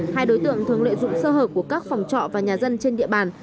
hai đối tượng thường lợi dụng sơ hợp của các phòng trọ và nhà dân trên địa bàn